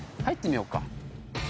入ってみようか。